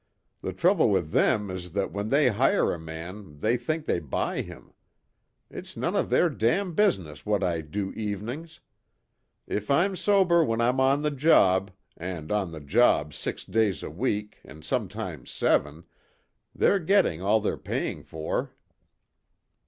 The trouble with them is that when they hire a man they think they buy him. It's none of their damn business what I do evenings. If I'm sober when I'm on the job and on the job six days a week, and sometimes seven they're getting all they're paying for."